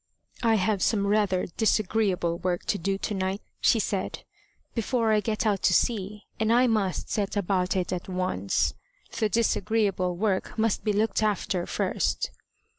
"I have some rather disagreeable work to do to night," she said, "before I get out to sea, and I must set about it at once. The disagreeable work must be looked after first."